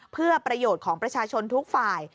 เพื่อประโยชน์ของประชาชนทุกฝ่าย